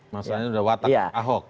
maksudnya udah watak ahok